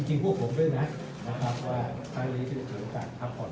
จริงพวกผมด้วยนะนะครับว่าครั้งนี้ถือโอกาสพักผ่อน